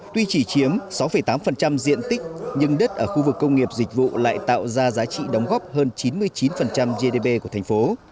tuy chỉ chiếm sáu tám diện tích nhưng đất ở khu vực công nghiệp dịch vụ lại tạo ra giá trị đóng góp hơn chín mươi chín gdp của thành phố